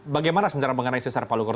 bagaimana secara mengenai sesar palu koro